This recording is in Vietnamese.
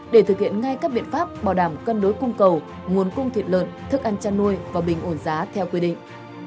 để thực hiện ngay các biện pháp bảo đảm cân đối cung cầu nguồn cung thịt lợn thức ăn chăn nuôi và bình ổn giá theo quy định